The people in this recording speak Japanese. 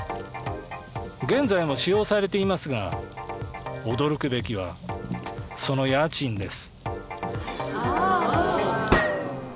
現在も使用されていますが驚くべきは、その家賃です。